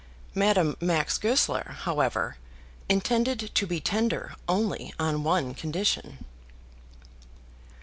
Madame Max Goesler, however, intended to be tender only on one condition.